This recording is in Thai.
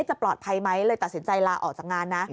จะปลอดภัยไหมเลยตัดสินใจลาออกจากงานนะ